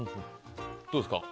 どうですか？